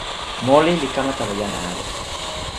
moli li kama tawa jan ale.